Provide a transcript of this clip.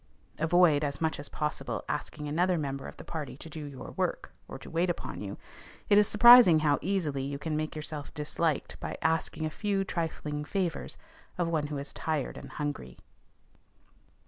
Avoid as much as possible asking another member of the party to do your work, or to wait upon you: it is surprising how easily you can make yourself disliked by asking a few trifling favors of one who is tired and hungry.